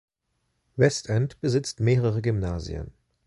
Westend besitzt mehrere Gymnasien.